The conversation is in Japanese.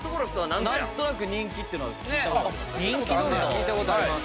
聞いたことあります。